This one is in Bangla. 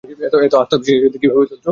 এত আত্মবিশ্বাসের সাথে কিভাবে বলছো?